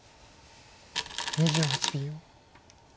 ２８秒。